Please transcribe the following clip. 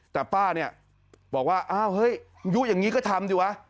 แต่ป้าเนี่ยบอกว่าอ้าวเฮ้ยยุอย่างนี้ก็ทำสิวะ